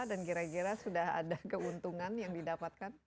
dan kira kira sudah ada keuntungan yang didapatkan